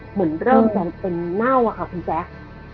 เหมือนเริ่มเป็นเน่าคุณแจ๊ก